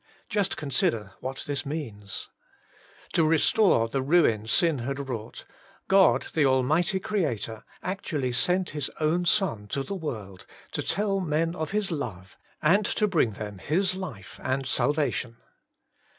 Just consider what this means. To re store the ruin sin had wrought, God, the Almighty Creator, actually sent His own Son to the world to tell men of His love, and to bring them His life and salvation.